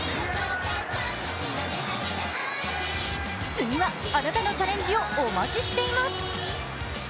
次はあなたのチャレンジをお待ちしています。